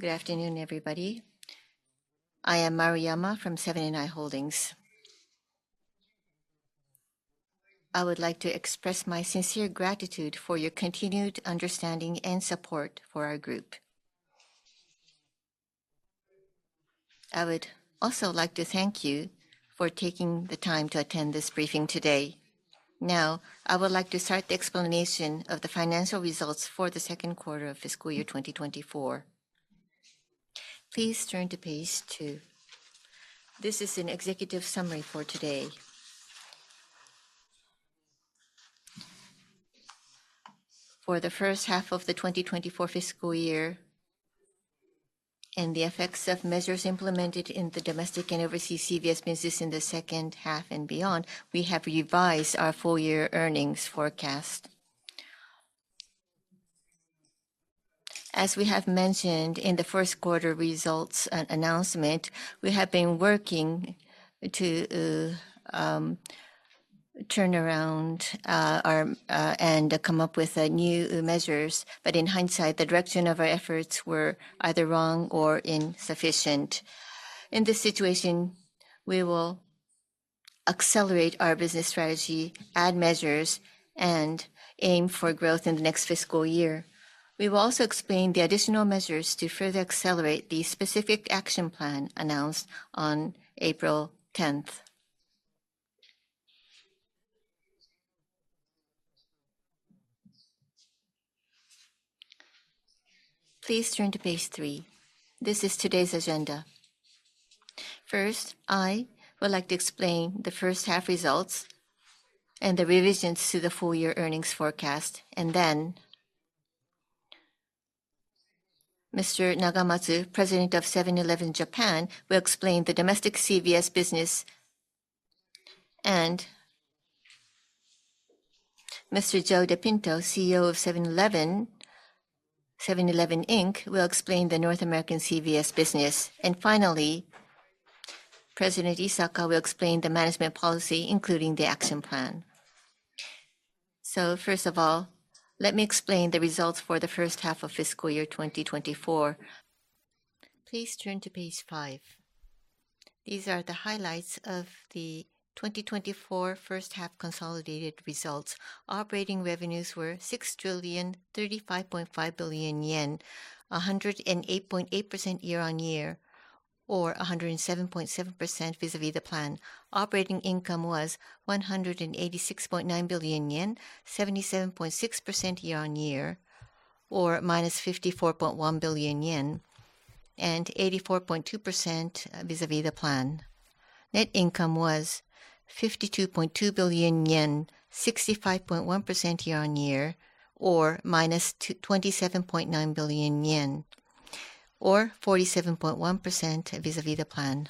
Good afternoon, everybody. I am Maruyama from Seven & i Holdings. I would like to express my sincere gratitude for your continued understanding and support for our group. I would also like to thank you for taking the time to attend this briefing today. Now, I would like to start the explanation of the financial results for the second quarter of fiscal year 2024. Please turn to page two. This is an executive summary for today. For the first half of the 2024 fiscal year and the effects of measures implemented in the domestic and overseas CVS business in the second half and beyond, we have revised our full-year earnings forecast. As we have mentioned in the first quarter results announcement, we have been working to turn around and come up with new measures, but in hindsight, the direction of our efforts was either wrong or insufficient. In this situation, we will accelerate our business strategy, add measures, and aim for growth in the next fiscal year. We will also explain the additional measures to further accelerate the specific action plan announced on April 10th. Please turn to page three. This is today's agenda. First, I would like to explain the first half results and the revisions to the full-year earnings forecast, and then Mr. Nagamatsu, President of 7-Eleven Japan, will explain the domestic CVS business, and Mr. Joe DePinto, CEO of 7-Eleven, 7-Eleven Inc., will explain the North American CVS business, and finally, President Isaka will explain the management policy, including the action plan, so first of all, let me explain the results for the first half of fiscal year 2024. Please turn to page five. These are the highlights of the 2024 first half consolidated results. Operating revenues were 6 trillion 35.5 billion, 108.8% year-on-year, or 107.7% vis-à-vis the plan. Operating income was 186.9 billion yen, 77.6% year-on-year, or -54.1 billion yen, and 84.2% vis-à-vis the plan. Net income was 52.2 billion yen, 65.1% year-on-year, or -27.9 billion yen, or 47.1% vis-à-vis the plan.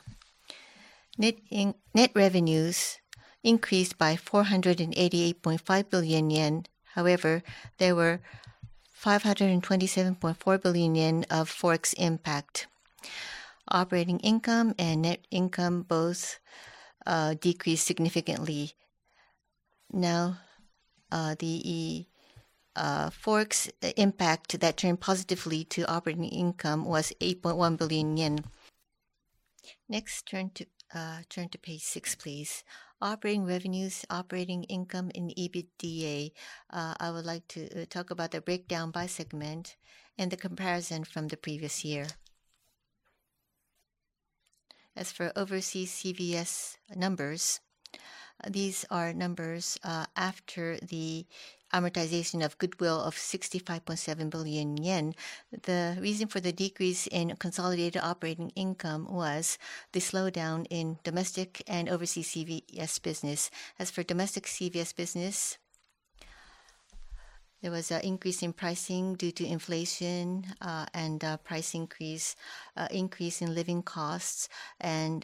Net revenues increased by 488.5 billion yen. However, there were 527.4 billion yen of forex impact. Operating income and net income both decreased significantly. Now, the forex impact that turned positively to operating income was 8.1 billion yen. Next, turn to page six, please. Operating revenues, operating income, and EBITDA. I would like to talk about the breakdown by segment and the comparison from the previous year. As for overseas CVS numbers, these are numbers after the amortization of goodwill of 65.7 billion yen. The reason for the decrease in consolidated operating income was the slowdown in domestic and overseas CVS business. As for domestic CVS business, there was an increase in pricing due to inflation and price increase, increase in living costs,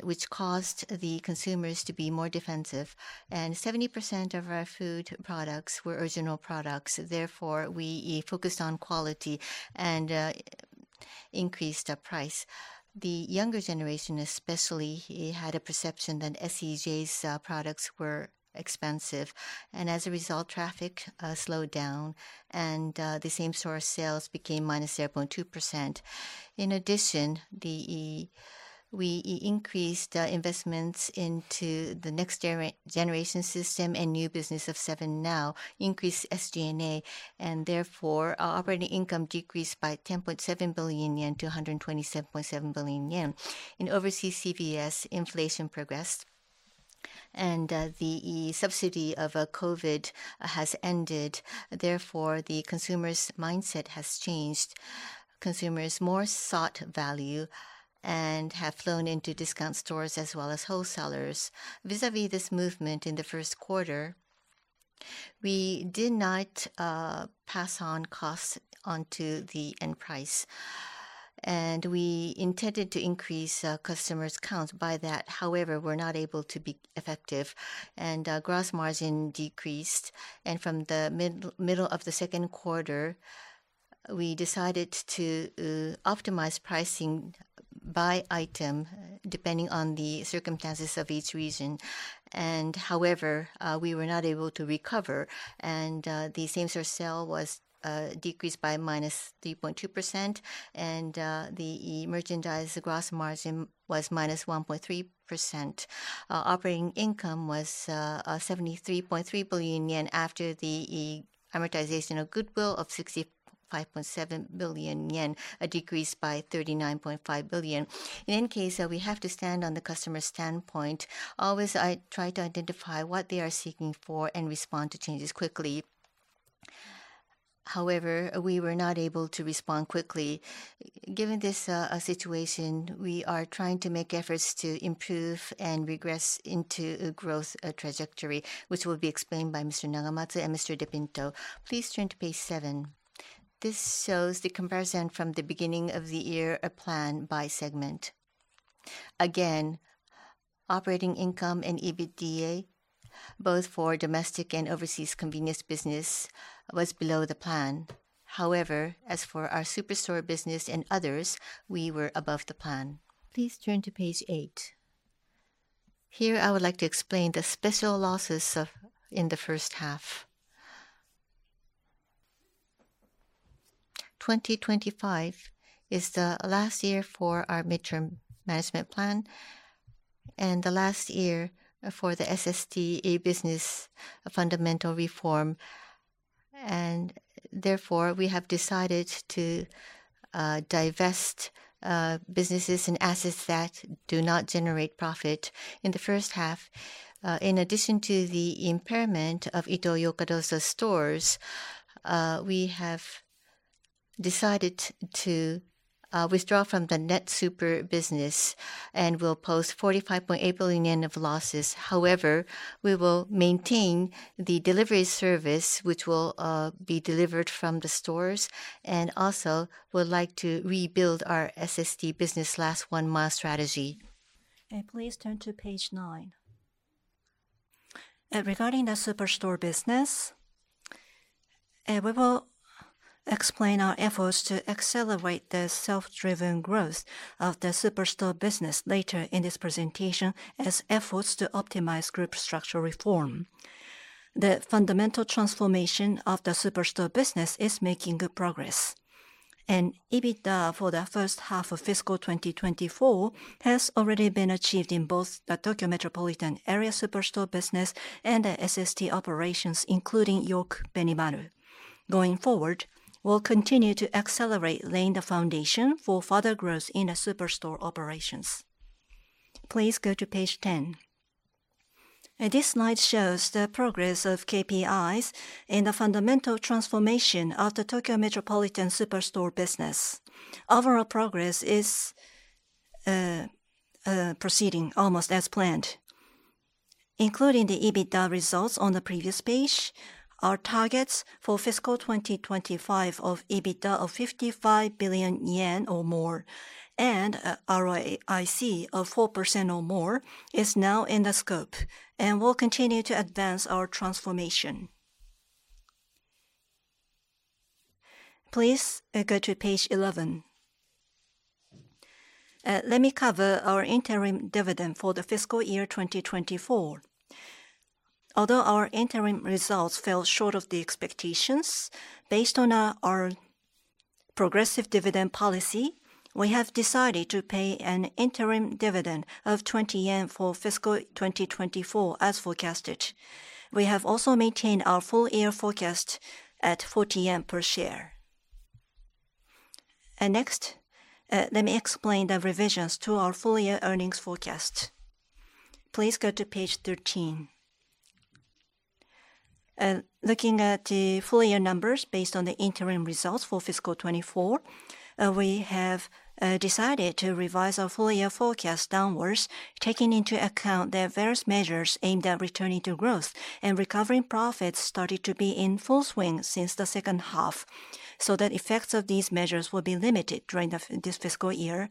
which caused the consumers to be more defensive, and 70% of our food products were original products. Therefore, we focused on quality and increased the price. The younger generation, especially, had a perception that SEJ's products were expensive, and as a result, traffic slowed down, and the same store sales became -0.2%. In addition, we increased investments into the next generation system and new business of 7NOW, increased SG&A, and therefore, operating income decreased by 10.7 billion yen to 127.7 billion yen. In overseas CVS, inflation progressed, and the subsidy of COVID has ended. Therefore, the consumer's mindset has changed. Consumers more sought value and have flocked into discount stores as well as wholesalers. Vis-à-vis this movement in the first quarter, we did not pass on costs onto the end price, and we intended to increase customer counts by that. However, we're not able to be effective, and gross margin decreased. And from the middle of the second quarter, we decided to optimize pricing by item depending on the circumstances of each region. And however, we were not able to recover, and the same-store sales was decreased by -3.2%, and the merchandise gross margin was -1.3%. Operating income was 73.3 billion yen after the amortization of goodwill of 65.7 billion yen, a decrease by 39.5 billion. In any case, we have to stand on the customer's standpoint. Always, I try to identify what they are seeking for and respond to changes quickly. However, we were not able to respond quickly. Given this situation, we are trying to make efforts to improve and progress into a growth trajectory, which will be explained by Mr. Nagamatsu and Mr. DePinto. Please turn to page seven. This shows the comparison from the beginning of the year plan by segment. Again, operating income and EBITDA, both for domestic and overseas convenience business, was below the plan. However, as for our superstore business and others, we were above the plan. Please turn to page eight. Here, I would like to explain the special losses in the first half. 2025 is the last year for our midterm management plan and the last year for the SSD business fundamental reform, and therefore, we have decided to divest businesses and assets that do not generate profit in the first half. In addition to the impairment of Ito-Yokado stores, we have decided to withdraw from the net super business and will post 45.8 billion yen of losses. However, we will maintain the delivery service, which will be delivered from the stores, and also would like to rebuild our SSD business last one-mile strategy. Please turn to page nine. Regarding the superstore business, we will explain our efforts to accelerate the self-driven growth of the superstore business later in this presentation as efforts to optimize group structure reform. The fundamental transformation of the superstore business is making good progress. EBITDA for the first half of fiscal 2024 has already been achieved in both the Tokyo Metropolitan Area Superstore business and the SSD operations, including York-Benimaru. Going forward, we'll continue to accelerate, laying the foundation for further growth in the superstore operations. Please go to page ten. This slide shows the progress of KPIs and the fundamental transformation of the Tokyo Metropolitan Area superstore business. Overall progress is proceeding almost as planned. Including the EBITDA results on the previous page, our targets for fiscal 2025 of EBITDA of 55 billion yen or more and ROIC of 4% or more is now in the scope and will continue to advance our transformation. Please go to page 11. Let me cover our interim dividend for the fiscal year 2024. Although our interim results fell short of the expectations, based on our progressive dividend policy, we have decided to pay an interim dividend of 20 yen for fiscal 2024 as forecasted. We have also maintained our full-year forecast at 40 yen per share. Next, let me explain the revisions to our full-year earnings forecast. Please go to page 13. Looking at the full-year numbers based on the interim results for fiscal 2024, we have decided to revise our full-year forecast downwards, taking into account that various measures aimed at returning to growth and recovering profits started to be in full swing since the second half, so the effects of these measures will be limited during this fiscal year.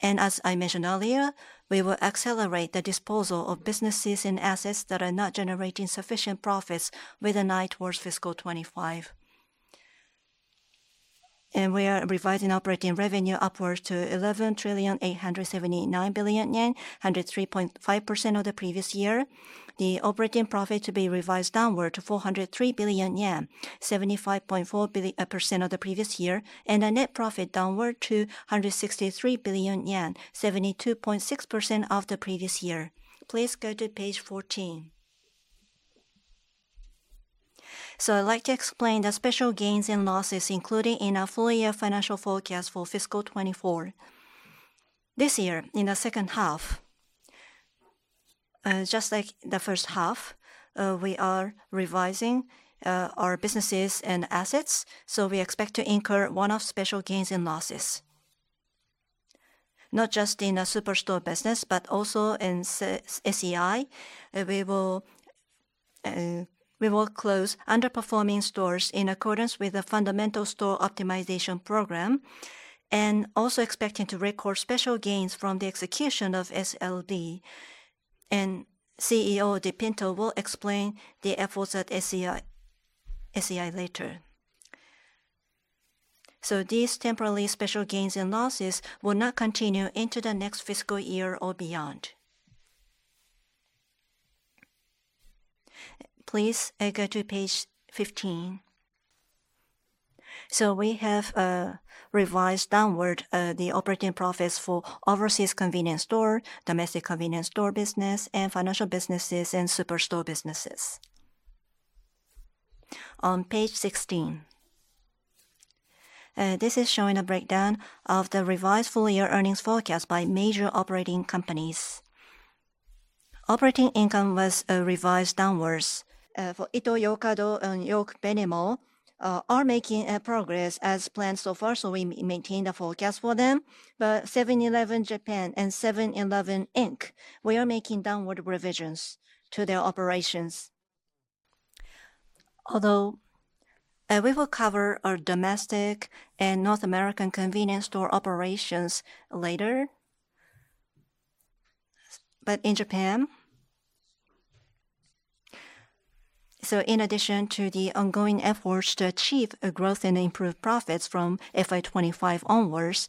And as I mentioned earlier, we will accelerate the disposal of businesses and assets that are not generating sufficient profits within this year towards fiscal 2025. And we are revising operating revenue upwards to 11 trillion 879 billion, 103.5% of the previous year. The operating profit to be revised downward to 403 billion yen, 75.4% of the previous year, and the net profit downward to 163 billion yen, 72.6% of the previous year. Please go to page 14. I'd like to explain the special gains and losses, including in our full-year financial forecast for fiscal 2024. This year, in the second half, just like the first half, we are revising our businesses and assets. We expect to incur one-off special gains and losses. Not just in the superstore business, but also in SEJ, we will close underperforming stores in accordance with the fundamental store optimization program and also expecting to record special gains from the execution of SLB. CEO DePinto will explain the efforts at SEJ later. These temporary special gains and losses will not continue into the next fiscal year or beyond. Please go to page 15. We have revised downward the operating profits for overseas convenience store, domestic convenience store business, and financial businesses and superstore businesses. On page 16, this is showing a breakdown of the revised full-year earnings forecast by major operating companies. Operating income was revised downwards. For Ito-Yokado and York-Benimaru, we are making progress as planned so far, so we maintain the forecast for them. But 7-Eleven Japan and 7-Eleven Inc., we are making downward revisions to their operations. Although we will cover our domestic and North American convenience store operations later, but in Japan, so in addition to the ongoing efforts to achieve growth and improve profits from FY25 onwards,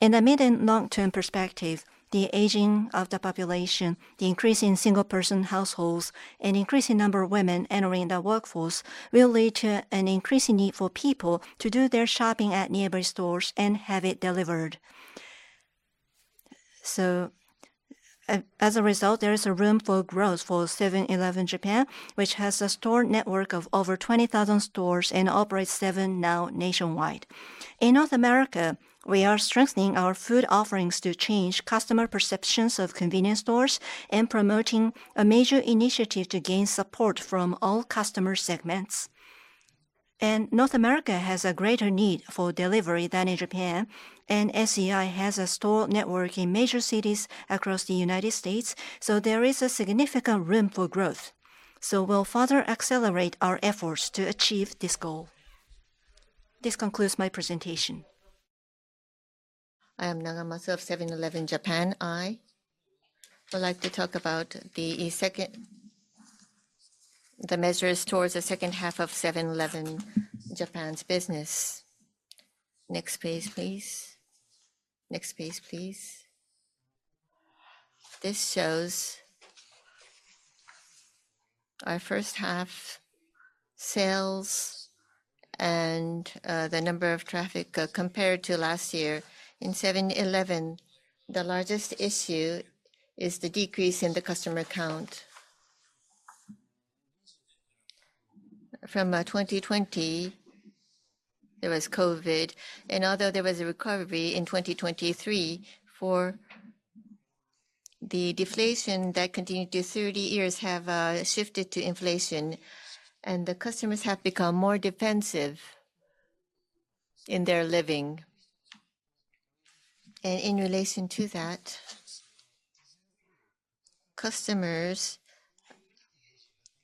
in the mid and long-term perspective, the aging of the population, the increase in single-person households, and increasing number of women entering the workforce will lead to an increasing need for people to do their shopping at neighborhood stores and have it delivered. As a result, there is a room for growth for 7-Eleven Japan, which has a store network of over 20,000 stores and operates 7NOW nationwide. In North America, we are strengthening our food offerings to change customer perceptions of convenience stores and promoting a major initiative to gain support from all customer segments. North America has a greater need for delivery than in Japan, and 7-Eleven has a store network in major cities across the United States, so there is a significant room for growth. We will further accelerate our efforts to achieve this goal. This concludes my presentation. I am Nagamatsu of 7-Eleven Japan. I would like to talk about the measures towards the second half of 7-Eleven Japan's business. Next page, please. Next page, please. This shows our first half sales and the number of traffic compared to last year. In 7-Eleven, the largest issue is the decrease in the customer count. From 2020, there was COVID, and although there was a recovery in 2023, the deflation that continued to 30 years has shifted to inflation, and the customers have become more defensive in their living, and in relation to that, customers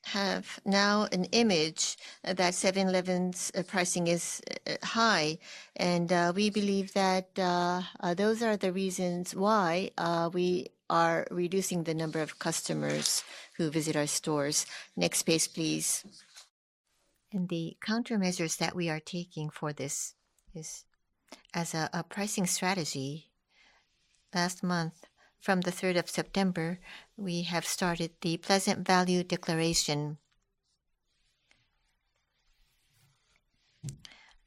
have now an image that 7-Eleven's pricing is high, and we believe that those are the reasons why we are reducing the number of customers who visit our stores. Next page, please. And the countermeasures that we are taking for this is as a pricing strategy. Last month, from the 3rd of September, we have started the Pleasant Value Declaration.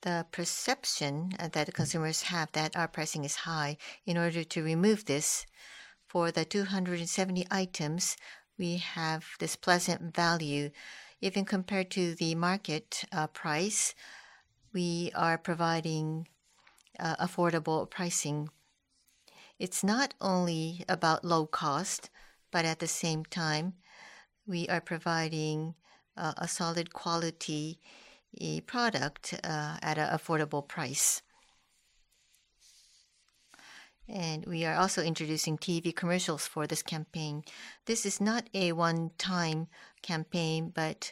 The perception that consumers have that our pricing is high, in order to remove this, for the 270 items, we have this pleasant value. Even compared to the market price, we are providing affordable pricing. It's not only about low cost, but at the same time, we are providing a solid quality product at an affordable price. We are also introducing TV commercials for this campaign. This is not a one-time campaign, but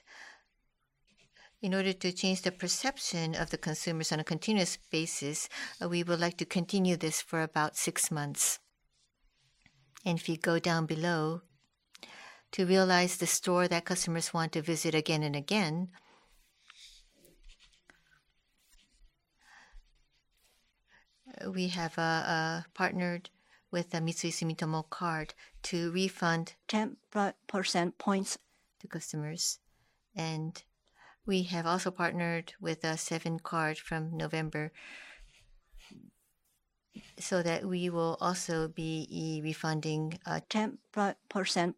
in order to change the perception of the consumers on a continuous basis, we would like to continue this for about six months. To realize the store that customers want to visit again and again, we have partnered with Sumitomo Mitsui Card to refund 10% points to customers. We have also partnered with Seven Card from November so that we will also be refunding 10%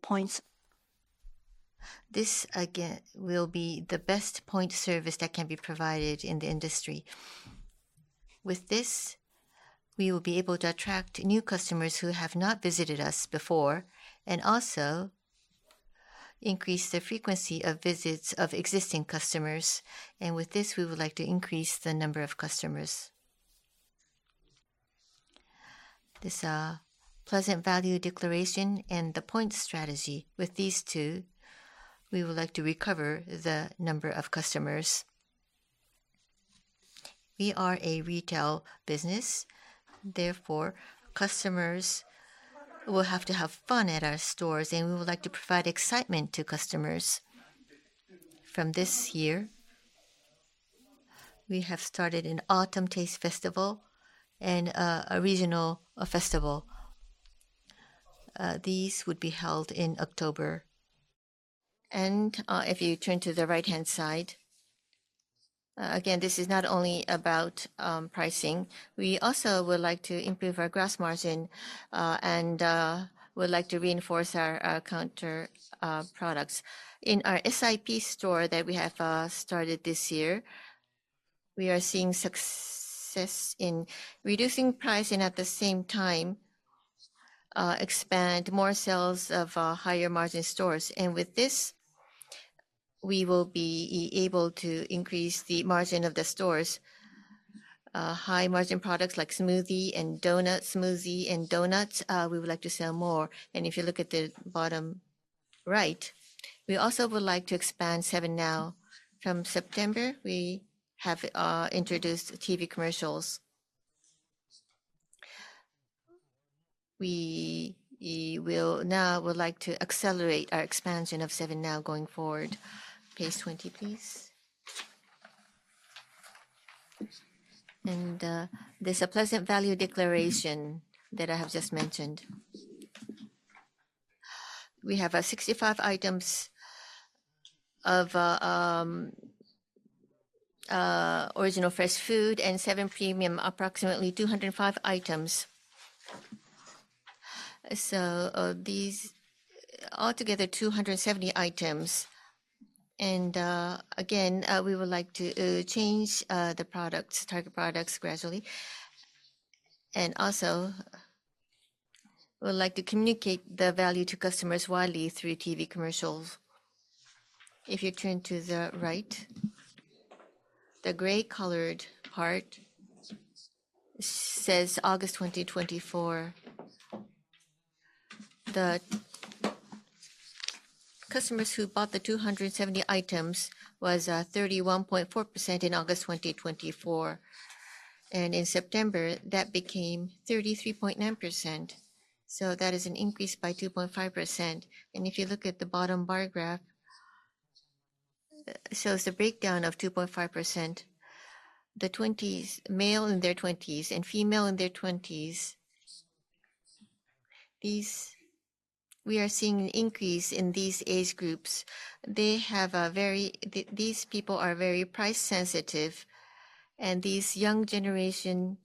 points. This, again, will be the best point service that can be provided in the industry. With this, we will be able to attract new customers who have not visited us before and also increase the frequency of visits of existing customers. And with this, we would like to increase the number of customers. This Pleasant Value Declaration and the Point Strategy, with these two, we would like to recover the number of customers. We are a retail business. Therefore, customers will have to have fun at our stores, and we would like to provide excitement to customers. From this year, we have started an Autumn Taste Festival and a regional festival. These would be held in October. And if you turn to the right-hand side, again, this is not only about pricing. We also would like to improve our gross margin and would like to reinforce our counter products. In our SIP store that we have started this year, we are seeing success in reducing price and at the same time expand more sales of higher margin stores, and with this, we will be able to increase the margin of the stores. High-margin products like smoothie and donuts, smoothie and donuts, we would like to sell more, and if you look at the bottom right, we also would like to expand 7NOW From September, we have introduced TV commercials. We will now like to accelerate our expansion of 7NOW going forward. Page 20, please. This Pleasant Value Declaration that I have just mentioned. We have 65 items of original fresh food and Seven Premium, approximately 205 items. So these altogether, 270 items. And again, we would like to change the products, target products gradually. And also, we would like to communicate the value to customers widely through TV commercials. If you turn to the right, the gray-colored part says August 2024. The customers who bought the 270 items was 31.4% in August 2024. And in September, that became 33.9%. So that is an increase by 2.5%. And if you look at the bottom bar graph, it shows the breakdown of 2.5%. The 20s, male in their 20s and female in their 20s, we are seeing an increase in these age groups. These people are very price-sensitive, and these young generation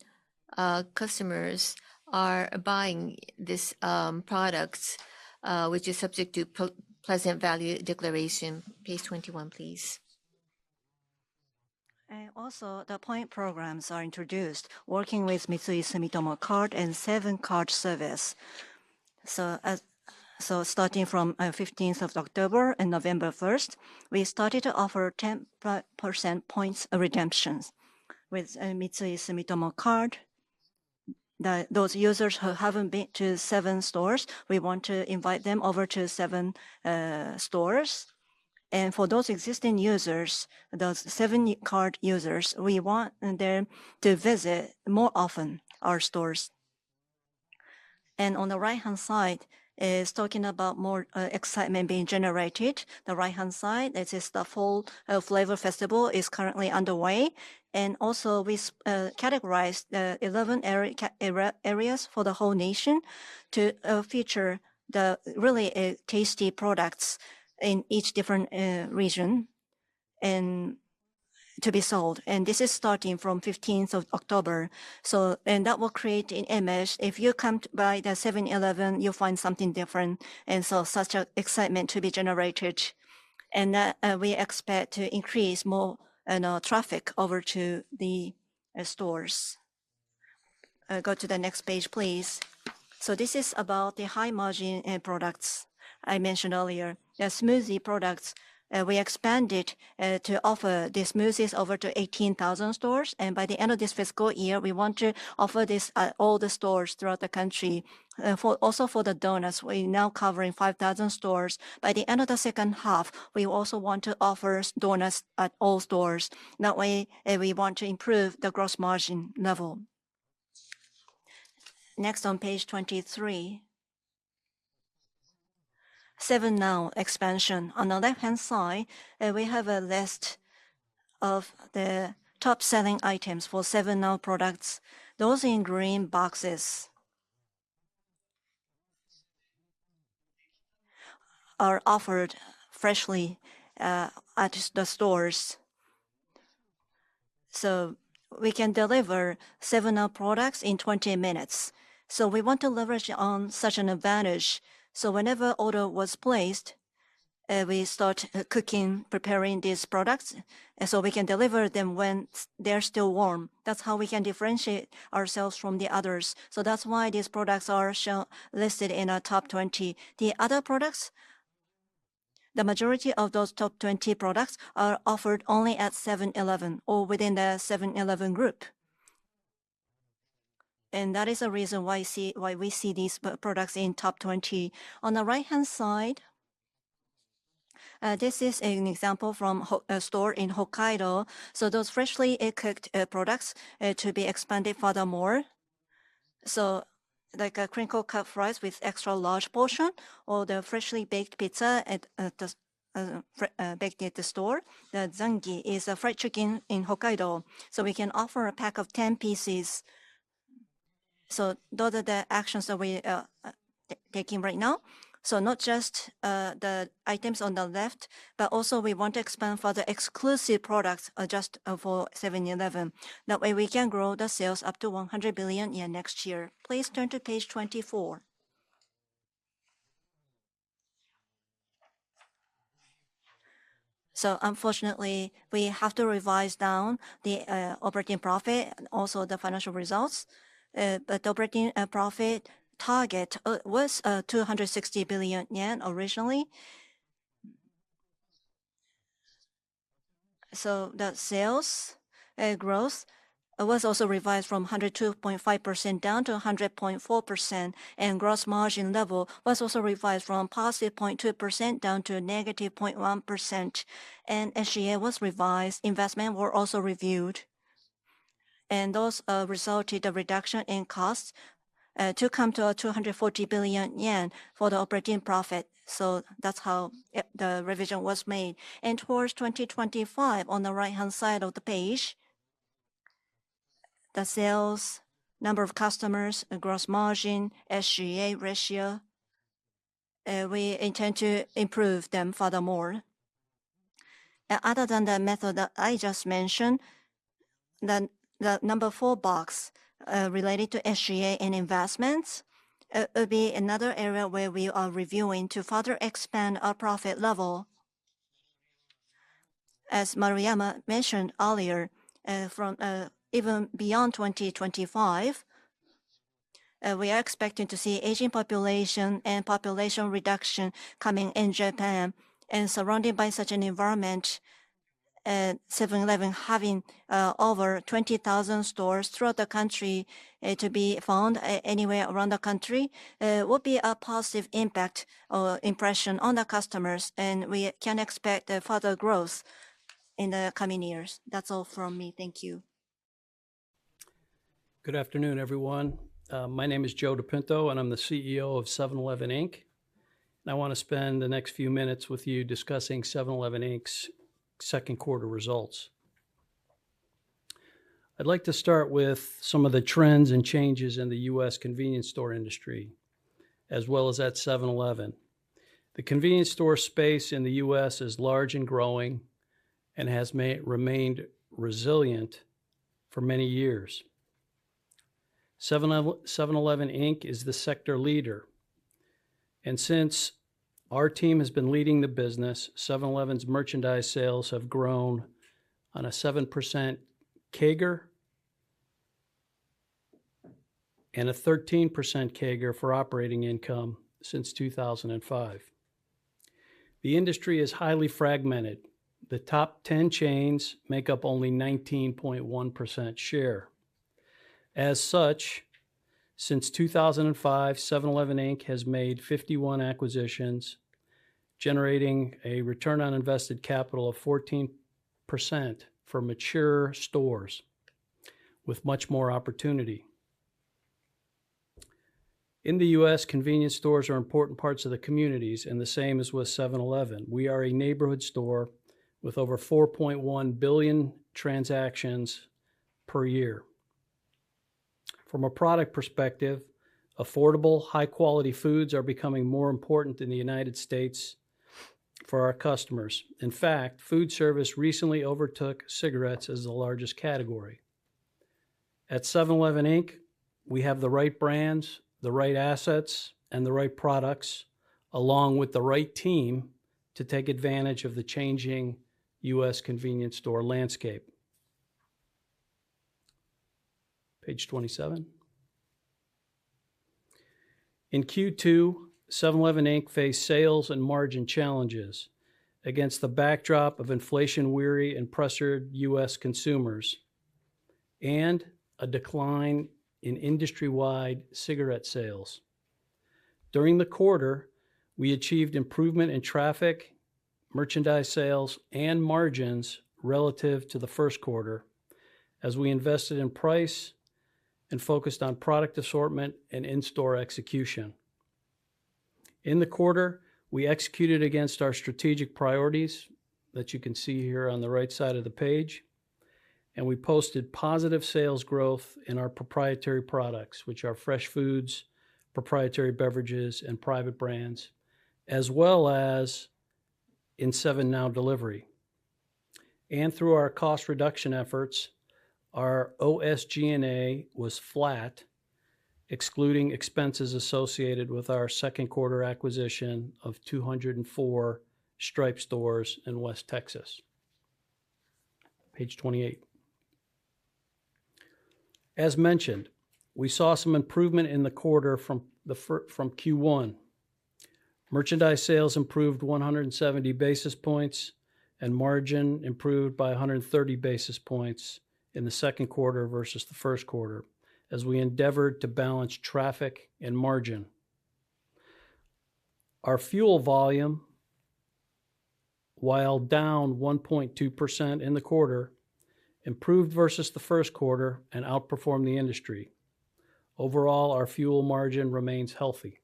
customers are buying these products, which is subject to Pleasant Value Declaration. Page 21, please. Also, the point programs are introduced, working with Sumitomo Mitsui Card and Seven Card Service. So starting from the 15th of October and November 1st, we started to offer 10% points redemptions with Sumitomo Mitsui Card. Those users who haven't been to Seven stores, we want to invite them over to Seven stores. And for those existing users, those Seven Card users, we want them to visit more often our stores. And on the right-hand side is talking about more excitement being generated. The right-hand side, this is the Full Flavor Festival is currently underway. And also, we categorized the 11 areas for the whole nation to feature the really tasty products in each different region and to be sold. And this is starting from the 15th of October. And that will create an image. If you come to buy the 7-Eleven, you'll find something different. And so such excitement to be generated. And we expect to increase more traffic over to the stores. Go to the next page, please. So this is about the high-margin products I mentioned earlier. The smoothie products, we expanded to offer the smoothies over to 18,000 stores, and by the end of this fiscal year, we want to offer this at all the stores throughout the country. Also for the donuts, we're now covering 5,000 stores. By the end of the second half, we also want to offer donuts at all stores. That way, we want to improve the gross margin level. Next, on page 23, 7NOW expansion. On the left-hand side, we have a list of the top-selling items for 7NOW products. Those in green boxes are offered freshly at the stores, so we can deliver 7NOW products in 20 minutes, so we want to leverage on such an advantage, so whenever order was placed, we start cooking, preparing these products so we can deliver them when they're still warm. That's how we can differentiate ourselves from the others. That's why these products are listed in our top 20. The other products, the majority of those top 20 products are offered only at 7-Eleven or within the 7-Eleven group. And that is the reason why we see these products in top 20. On the right-hand side, this is an example from a store in Hokkaido. So those freshly cooked products are to be expanded furthermore. So like a crinkle cut fries with extra large portion or the freshly baked pizza at the bakery at the store. The Zangi is a fried chicken in Hokkaido. So we can offer a pack of 10 pieces. So those are the actions that we are taking right now. So not just the items on the left, but also we want to expand for the exclusive products just for 7-Eleven. That way, we can grow the sales up to 100 billion yen next year. Please turn to page 24, so unfortunately, we have to revise down the operating profit, also the financial results. The operating profit target was JPY 260 billion originally. The sales growth was also revised from 102.5% down to 100.4%. The gross margin level was also revised from positive 0.2% down to negative 0.1%. SG&A was revised. Investments were also reviewed. Those resulted in a reduction in costs to come to 240 billion yen for the operating profit. That's how the revision was made. Towards 2025, on the right-hand side of the page, the sales, number of customers, gross margin, SG&A ratio, we intend to improve them furthermore. Other than the method that I just mentioned, the number four box related to SG&A and investments will be another area where we are reviewing to further expand our profit level. As Maruyama mentioned earlier, from even beyond 2025, we are expecting to see aging population and population reduction coming in Japan. And surrounded by such an environment, 7-Eleven having over 20,000 stores throughout the country to be found anywhere around the country would be a positive impact or impression on the customers. And we can expect further growth in the coming years. That's all from me. Thank you. Good afternoon, everyone. My name is Joe DePinto, and I'm the CEO of 7-Eleven, Inc. And I want to spend the next few minutes with you discussing 7-Eleven, Inc.'s second quarter results. I'd like to start with some of the trends and changes in the U.S. Convenience store industry, as well as at 7-Eleven. The convenience store space in the U.S. is large and growing and has remained resilient for many years. 7-Eleven, Inc. is the sector leader, and since our team has been leading the business, 7-Eleven's merchandise sales have grown on a 7% CAGR and a 13% CAGR for operating income since 2005. The industry is highly fragmented. The top 10 chains make up only 19.1% share. As such, since 2005, 7-Eleven, Inc. has made 51 acquisitions, generating a return on invested capital of 14% for mature stores with much more opportunity. In the U.S., convenience stores are important parts of the communities, and the same as with 7-Eleven. We are a neighborhood store with over 4.1 billion transactions per year. From a product perspective, affordable, high-quality foods are becoming more important in the United States for our customers. In fact, food service recently overtook cigarettes as the largest category. At 7-Eleven, Inc., we have the right brands, the right assets, and the right products, along with the right team to take advantage of the changing U.S. convenience store landscape. Page 27. In Q2, 7-Eleven, Inc. faced sales and margin challenges against the backdrop of inflation-weary and pressured U.S. consumers and a decline in industry-wide cigarette sales. During the quarter, we achieved improvement in traffic, merchandise sales, and margins relative to the first quarter as we invested in price and focused on product assortment and in-store execution. In the quarter, we executed against our strategic priorities that you can see here on the right side of the page, and we posted positive sales growth in our proprietary products, which are fresh foods, proprietary beverages, and private brands, as well as in 7NOW delivery. Through our cost reduction efforts, our OSG&A was flat, excluding expenses associated with our second quarter acquisition of 204 Stripes stores in West Texas. Page 28. As mentioned, we saw some improvement in the quarter from Q1. Merchandise sales improved 170 basis points, and margin improved by 130 basis points in the second quarter versus the first quarter as we endeavored to balance traffic and margin. Our fuel volume, while down 1.2% in the quarter, improved versus the first quarter and outperformed the industry. Overall, our fuel margin remains healthy.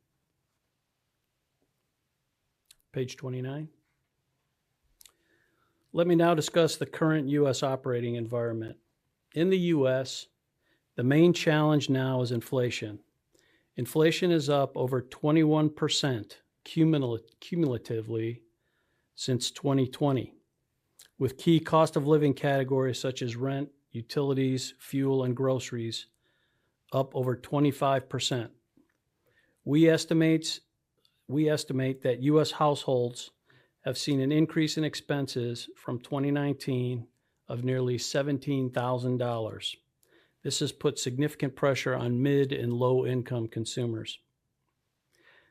Page 29. Let me now discuss the current U.S. operating environment. In the U.S., the main challenge now is inflation. Inflation is up over 21% cumulatively since 2020, with key cost-of-living categories such as rent, utilities, fuel, and groceries up over 25%. We estimate that U.S. households have seen an increase in expenses from 2019 of nearly $17,000. This has put significant pressure on mid and low-income consumers.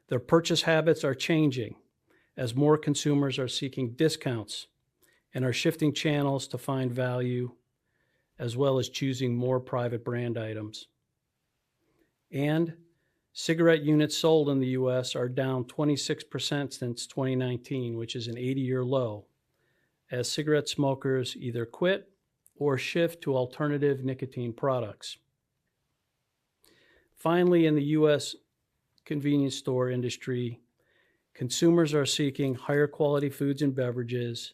Their purchase habits are changing as more consumers are seeking discounts and are shifting channels to find value, as well as choosing more private brand items. Cigarette units sold in the U.S. are down 26% since 2019, which is an 80-year low, as cigarette smokers either quit or shift to alternative nicotine products. Finally, in the U.S. convenience store industry, consumers are seeking higher-quality foods and beverages,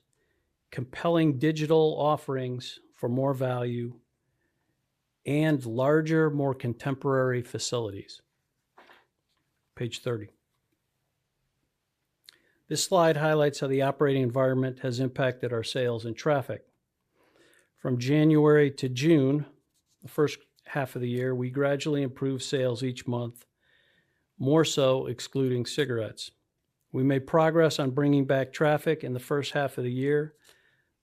compelling digital offerings for more value, and larger, more contemporary facilities. Page 30. This slide highlights how the operating environment has impacted our sales and traffic. From January to June, the first half of the year, we gradually improved sales each month, more so excluding cigarettes. We made progress on bringing back traffic in the first half of the year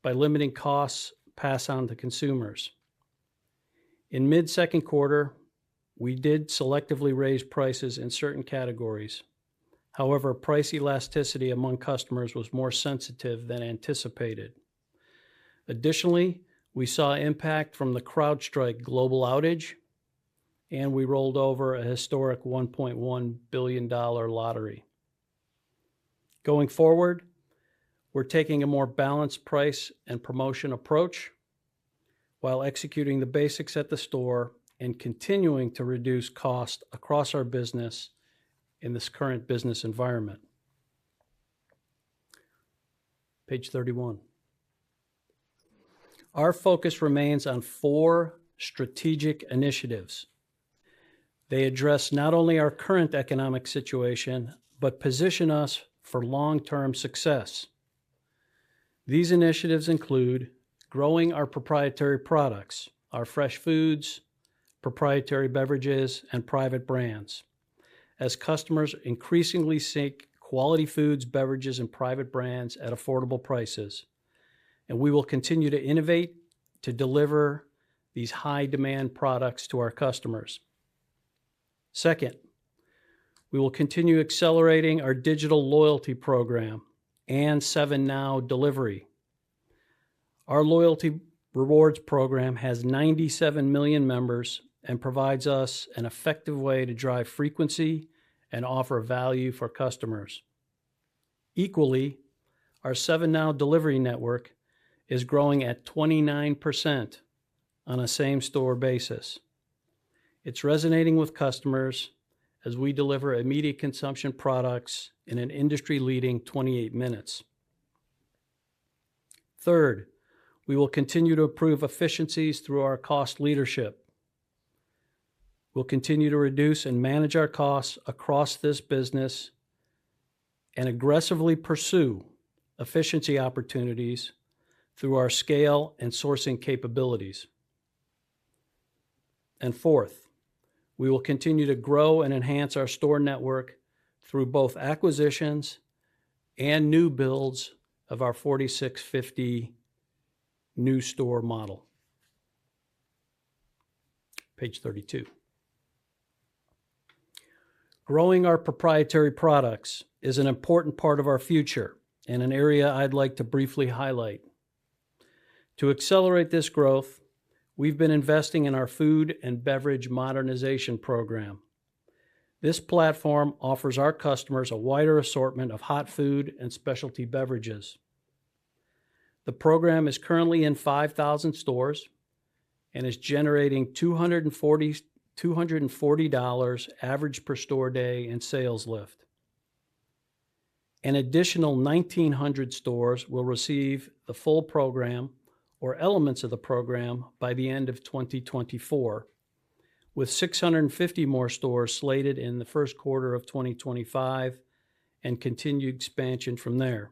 by limiting costs passed on to consumers. In mid-second quarter, we did selectively raise prices in certain categories. However, price elasticity among customers was more sensitive than anticipated. Additionally, we saw impact from the CrowdStrike global outage, and we rolled over a historic $1.1 billion lottery. Going forward, we're taking a more balanced price and promotion approach while executing the basics at the store and continuing to reduce costs across our business in this current business environment. Page 31. Our focus remains on four strategic initiatives. They address not only our current economic situation, but position us for long-term success. These initiatives include growing our proprietary products, our fresh foods, proprietary beverages, and private brands. As customers increasingly seek quality foods, beverages, and private brands at affordable prices, we will continue to innovate to deliver these high-demand products to our customers. Second, we will continue accelerating our digital loyalty program and Seven Now delivery. Our loyalty rewards program has 97 million members and provides us an effective way to drive frequency and offer value for customers. Equally, our Seven Now delivery network is growing at 29% on a same-store basis. It's resonating with customers as we deliver immediate consumption products in an industry-leading 28 minutes. Third, we will continue to improve efficiencies through our cost leadership. We'll continue to reduce and manage our costs across this business and aggressively pursue efficiency opportunities through our scale and sourcing capabilities. And fourth, we will continue to grow and enhance our store network through both acquisitions and new builds of our 4,650 new store model. Page 32. Growing our proprietary products is an important part of our future and an area I'd like to briefly highlight. To accelerate this growth, we've been investing in our food and beverage modernization program. This platform offers our customers a wider assortment of hot food and specialty beverages. The program is currently in 5,000 stores and is generating $240 average per store day in sales lift. An additional 1,900 stores will receive the full program or elements of the program by the end of 2024, with 650 more stores slated in the first quarter of 2025 and continued expansion from there.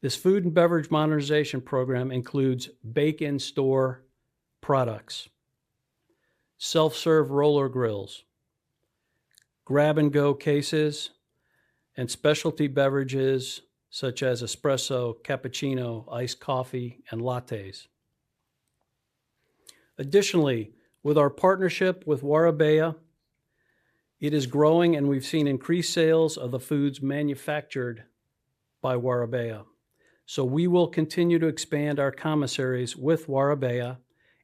This Food and Beverage Modernization Program includes bake-in-store products, self-serve roller grills, grab-and-go cases, and specialty beverages such as espresso, cappuccino, iced coffee, and lattes. Additionally, with our partnership with Warabeya, it is growing, and we've seen increased sales of the foods manufactured by Warabeya. So we will continue to expand our commissaries with Warabeya,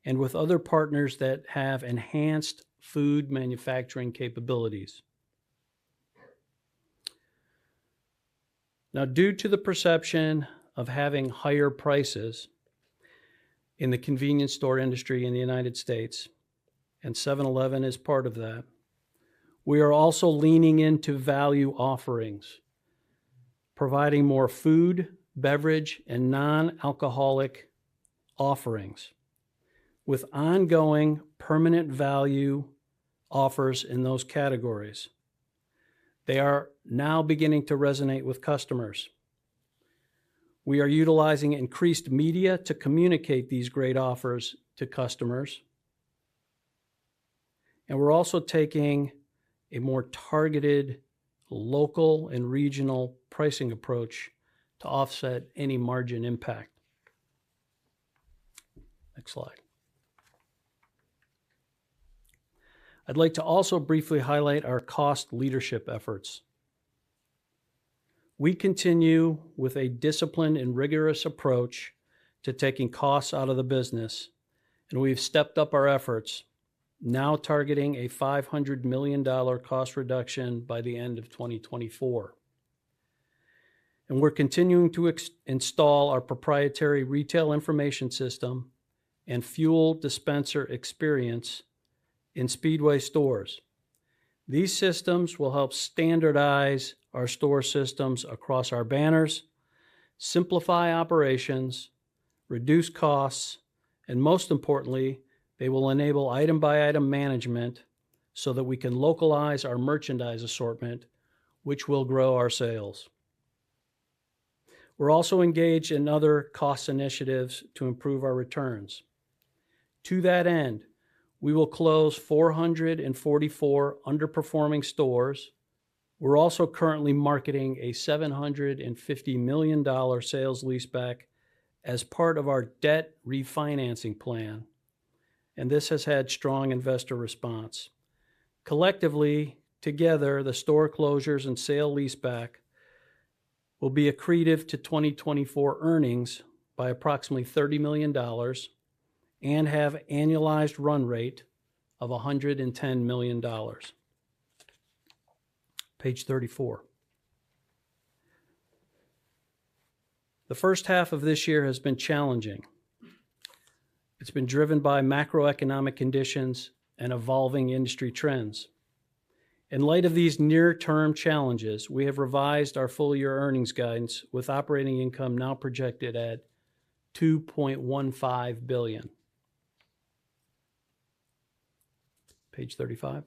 and with other partners that have enhanced food manufacturing capabilities. Now, due to the perception of having higher prices in the convenience store industry in the United States, and 7-Eleven is part of that, we are also leaning into value offerings, providing more food, beverage, and non-alcoholic offerings with ongoing permanent value offers in those categories. They are now beginning to resonate with customers. We are utilizing increased media to communicate these great offers to customers. And we're also taking a more targeted local and regional pricing approach to offset any margin impact. Next slide. I'd like to also briefly highlight our cost leadership efforts. We continue with a disciplined and rigorous approach to taking costs out of the business, and we've stepped up our efforts, now targeting a $500 million cost reduction by the end of 2024. And we're continuing to install our proprietary retail information system and fuel dispenser experience in Speedway stores. These systems will help standardize our store systems across our banners, simplify operations, reduce costs, and most importantly, they will enable item-by-item management so that we can localize our merchandise assortment, which will grow our sales. We're also engaged in other cost initiatives to improve our returns. To that end, we will close 444 underperforming stores. We're also currently marketing a $750 million sale-leaseback as part of our debt refinancing plan, and this has had strong investor response. Collectively, together, the store closures and sale-leaseback will be accretive to 2024 earnings by approximately $30 million and have an annualized run rate of $110 million. Page 34. The first half of this year has been challenging. It's been driven by macroeconomic conditions and evolving industry trends. In light of these near-term challenges, we have revised our full-year earnings guidance with operating income now projected at $2.15 billion. Page 35.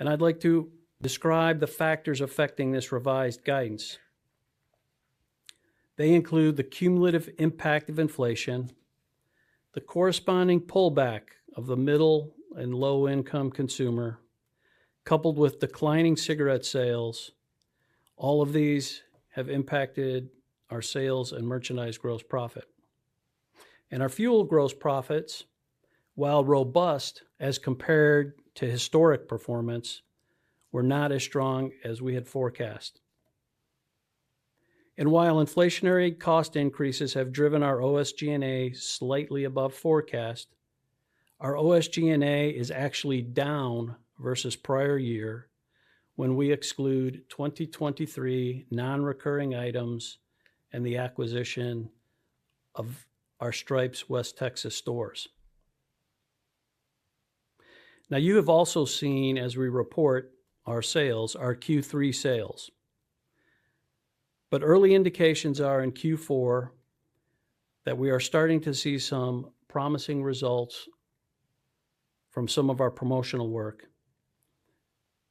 I'd like to describe the factors affecting this revised guidance. They include the cumulative impact of inflation, the corresponding pullback of the middle and low-income consumer, coupled with declining cigarette sales. All of these have impacted our sales and merchandise gross profit. Our fuel gross profits, while robust as compared to historic performance, were not as strong as we had forecast. While inflationary cost increases have driven our OSG&A slightly above forecast, our OSG&A is actually down versus prior year when we exclude 2023 non-recurring items and the acquisition of our Stripes' West Texas stores. Now, you have also seen, as we report our sales, our Q3 sales. Early indications are in Q4 that we are starting to see some promising results from some of our promotional work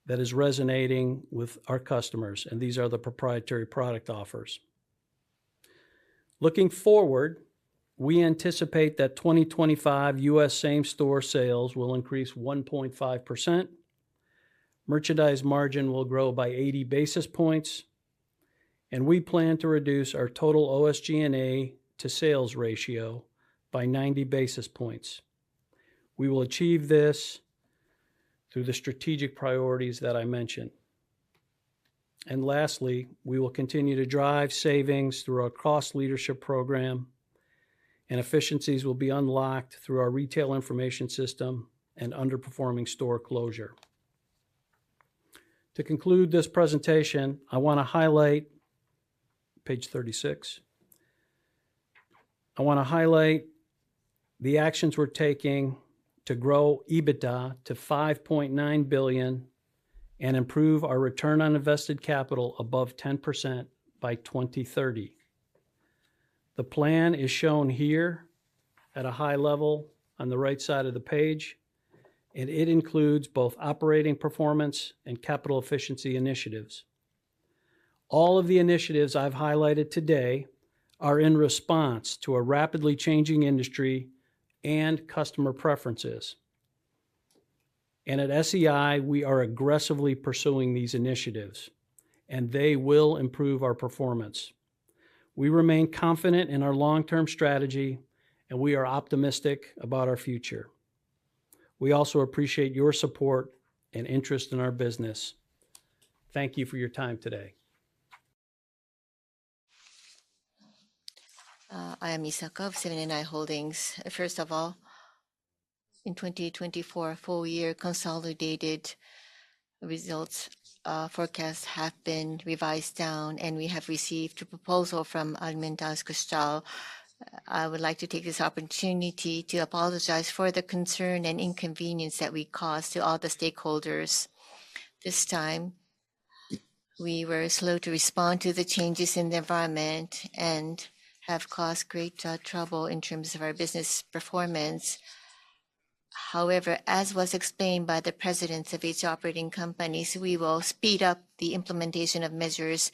that is resonating with our customers, and these are the proprietary product offers. Looking forward, we anticipate that 2025 U.S. same-store sales will increase 1.5%, merchandise margin will grow by 80 basis points, and we plan to reduce our total OSG&A to sales ratio by 90 basis points. We will achieve this through the strategic priorities that I mentioned. And lastly, we will continue to drive savings through our cost leadership program, and efficiencies will be unlocked through our retail information system and underperforming store closure. To conclude this presentation, I want to highlight page 36. I want to highlight the actions we're taking to grow EBITDA to $5.9 billion and improve our return on invested capital above 10% by 2030. The plan is shown here at a high level on the right side of the page, and it includes both operating performance and capital efficiency initiatives. All of the initiatives I've highlighted today are in response to a rapidly changing industry and customer preferences, and at Seven & i, we are aggressively pursuing these initiatives, and they will improve our performance. We remain confident in our long-term strategy, and we are optimistic about our future. We also appreciate your support and interest in our business. Thank you for your time today. I am Isaka, Seven & i Holdings. First of all, in 2024, full-year consolidated results forecasts have been revised down, and we have received a proposal from Alimentation Couche-Tard. I would like to take this opportunity to apologize for the concern and inconvenience that we caused to all the stakeholders this time. We were slow to respond to the changes in the environment and have caused great trouble in terms of our business performance. However, as was explained by the presidents of each operating company, we will speed up the implementation of measures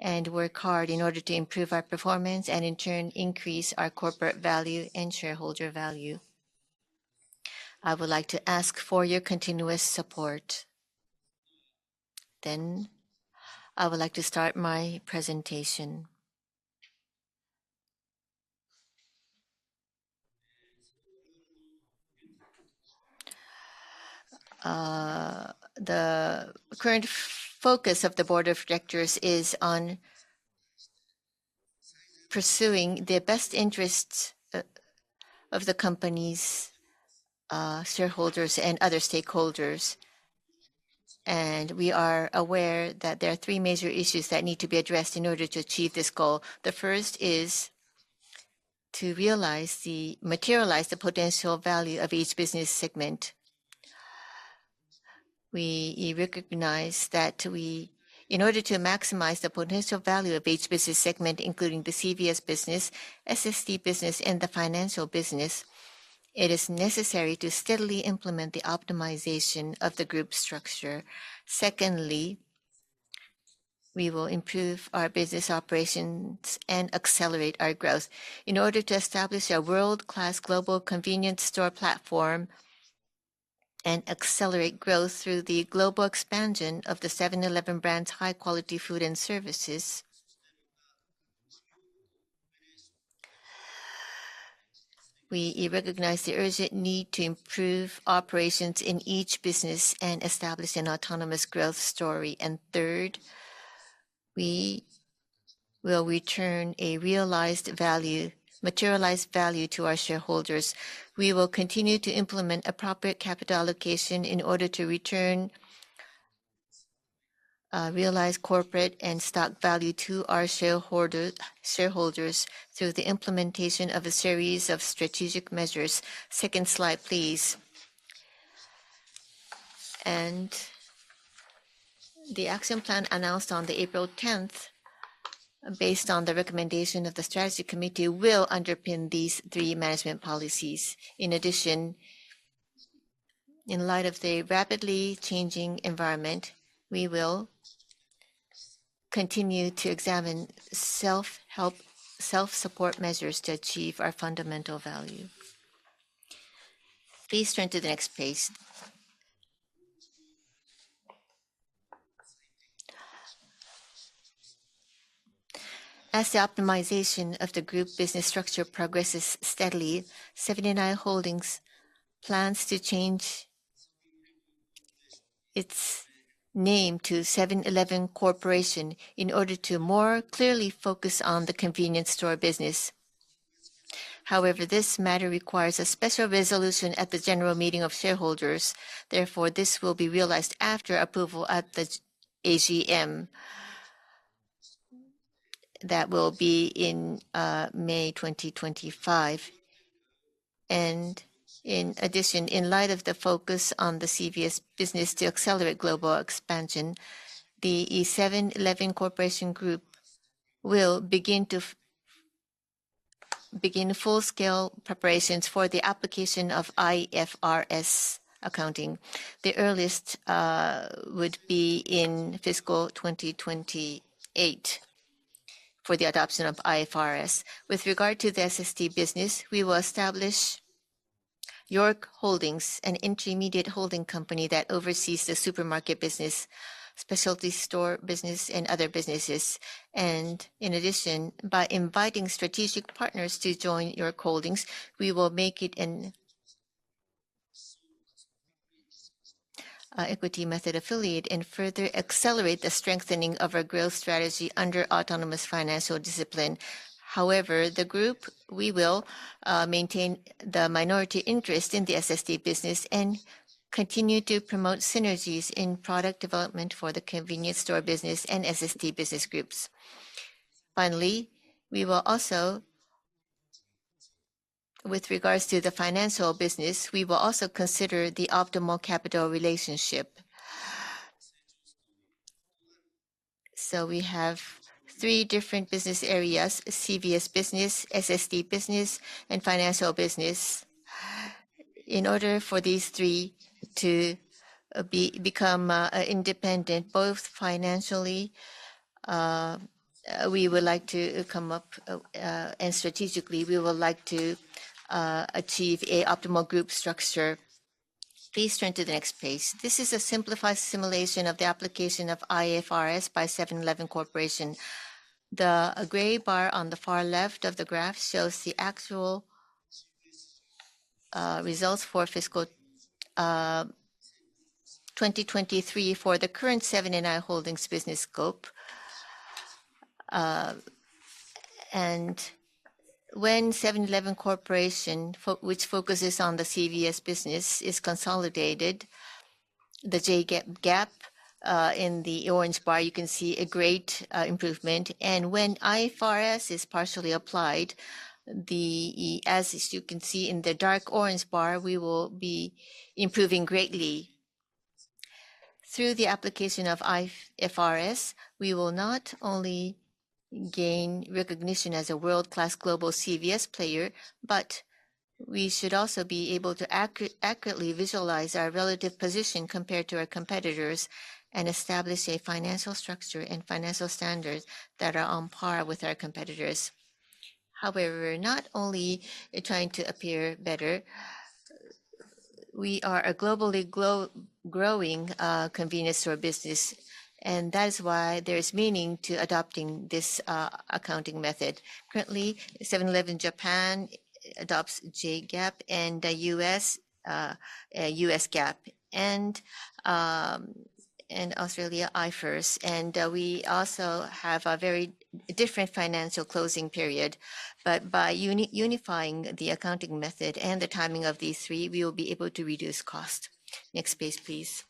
and work hard in order to improve our performance and, in turn, increase our corporate value and shareholder value. I would like to ask for your continuous support, then I would like to start my presentation. The current focus of the board of directors is on pursuing the best interests of the companies, shareholders, and other stakeholders, and we are aware that there are three major issues that need to be addressed in order to achieve this goal. The first is to realize the materialized potential value of each business segment. We recognize that in order to maximize the potential value of each business segment, including the CVS business, SSD business, and the financial business, it is necessary to steadily implement the optimization of the group structure. Secondly, we will improve our business operations and accelerate our growth in order to establish a world-class global convenience store platform and accelerate growth through the global expansion of the 7-Eleven brand's high-quality food and services. We recognize the urgent need to improve operations in each business and establish an autonomous growth story. And third, we will return a realized value, materialized value to our shareholders. We will continue to implement appropriate capital allocation in order to return realized corporate and stock value to our shareholders through the implementation of a series of strategic measures. Second slide, please. And the action plan announced on April 10, based on the recommendation of the strategy committee, will underpin these three management policies. In addition, in light of the rapidly changing environment, we will continue to examine self-help, self-support measures to achieve our fundamental value. Please turn to the next page. As the optimization of the group business structure progresses steadily, Seven & i Holdings plans to change its name to 7-Eleven Corporation in order to more clearly focus on the convenience store business. However, this matter requires a special resolution at the general meeting of shareholders. Therefore, this will be realized after approval at the AGM that will be in May 2025. In addition, in light of the focus on the CVS business to accelerate global expansion, the 7-Eleven Corporation Group will begin full-scale preparations for the application of IFRS accounting. The earliest would be in fiscal 2028 for the adoption of IFRS. With regard to the SSD business, we will establish York Holdings, an intermediate holding company that oversees the supermarket business, specialty store business, and other businesses. And in addition, by inviting strategic partners to join York Holdings, we will make it an equity method affiliate and further accelerate the strengthening of our growth strategy under autonomous financial discipline. However, the group, we will maintain the minority interest in the SSD business and continue to promote synergies in product development for the convenience store business and SSD business groups. Finally, we will also, with regards to the financial business, we will also consider the optimal capital relationship. So we have three different business areas: CVS business, SSD business, and financial business. In order for these three to become independent, both financially, we would like to come up, and strategically, we would like to achieve an optimal group structure. Please turn to the next page. This is a simplified simulation of the application of IFRS by 7-Eleven Corporation. The gray bar on the far left of the graph shows the actual results for fiscal 2023 for the current Seven & i Holdings business scope. When 7-Eleven Corporation, which focuses on the CVS business, is consolidated, the J-GAAP gap in the orange bar, you can see a great improvement. When IFRS is partially applied, as you can see in the dark orange bar, we will be improving greatly. Through the application of IFRS, we will not only gain recognition as a world-class global CVS player, but we should also be able to accurately visualize our relative position compared to our competitors and establish a financial structure and financial standards that are on par with our competitors. However, we're not only trying to appear better. We are a globally growing convenience store business, and that is why there is meaning to adopting this accounting method. Currently, 7-Eleven Japan adopts J-GAAP, and the U.S., U.S. GAAP, and Australia, IFRS. And we also have a very different financial closing period. But by unifying the accounting method and the timing of these three, we will be able to reduce cost. Next page, please.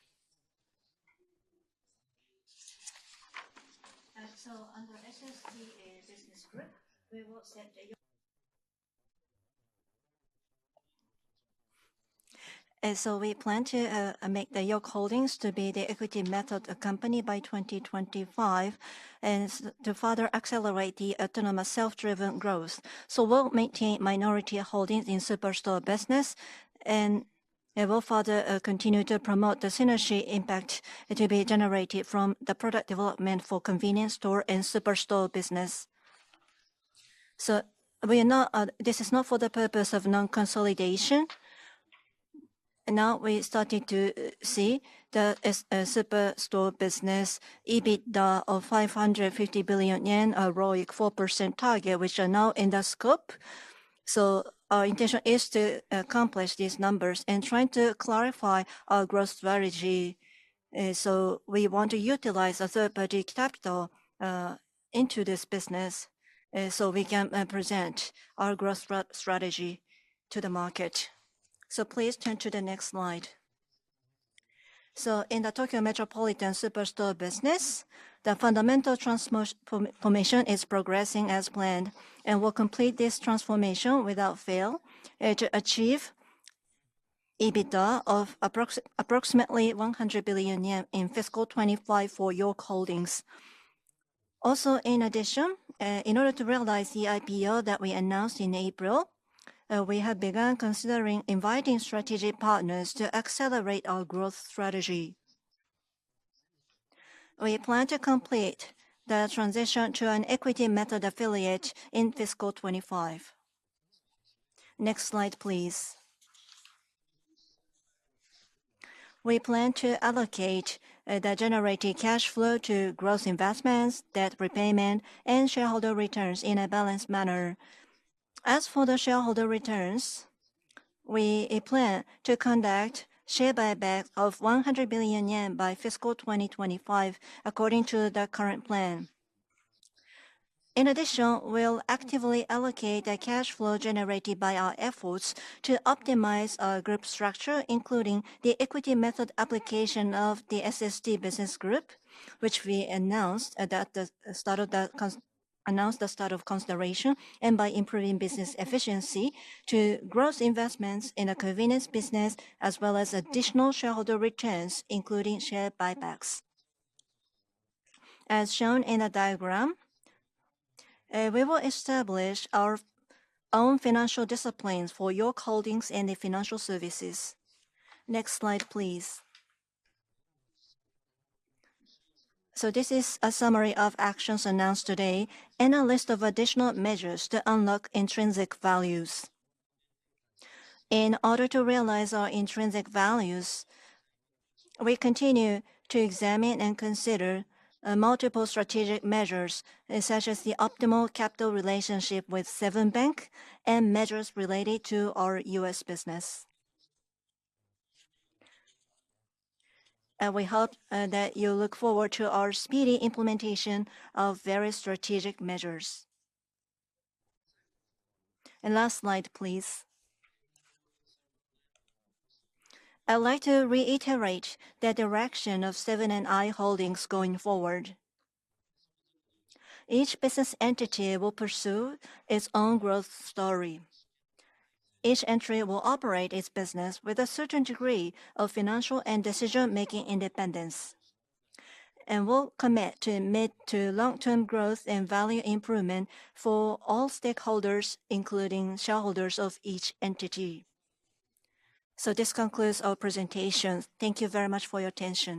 So under SSD business group, we will set the. And so we plan to make the York Holdings to be the equity method company by 2025 and to further accelerate the autonomous self-driven growth. So we'll maintain minority holdings in superstore business, and we'll further continue to promote the synergy impact to be generated from the product development for convenience store and superstore business. So this is not for the purpose of non-consolidation. And now we're starting to see the superstore business EBITDA of 550 billion yen, a YoY 4% target, which is now in the scope. Our intention is to accomplish these numbers and try to clarify our growth strategy. We want to utilize a third-party capital into this business so we can present our growth strategy to the market. Please turn to the next slide. In the Tokyo Metropolitan Area superstore business, the fundamental transformation is progressing as planned, and we'll complete this transformation without fail to achieve EBITDA of approximately 100 billion yen in fiscal 2025 for York Holdings. Also, in addition, in order to realize the IPO that we announced in April, we have begun considering inviting strategic partners to accelerate our growth strategy. We plan to complete the transition to an equity method affiliate in fiscal 2025. Next slide, please. We plan to allocate the generated cash flow to growth investments, debt repayment, and shareholder returns in a balanced manner. As for the shareholder returns, we plan to conduct share buyback of 100 billion yen by fiscal 2025, according to the current plan. In addition, we'll actively allocate the cash flow generated by our efforts to optimize our group structure, including the equity method application of the SSD business group, which we announced the start of consideration and by improving business efficiency to growth investments in a convenience business, as well as additional shareholder returns, including share buybacks. As shown in the diagram, we will establish our own financial disciplines for York Holdings and the financial services. Next slide, please. So this is a summary of actions announced today and a list of additional measures to unlock intrinsic values. In order to realize our intrinsic values, we continue to examine and consider multiple strategic measures, such as the optimal capital relationship with Seven Bank and measures related to our U.S. business. And we hope that you look forward to our speedy implementation of various strategic measures. And last slide, please. I'd like to reiterate the direction of Seven & I Holdings going forward. Each business entity will pursue its own growth story. Each entry will operate its business with a certain degree of financial and decision-making independence and will commit to mid to long-term growth and value improvement for all stakeholders, including shareholders of each entity. So this concludes our presentation. Thank you very much for your attention.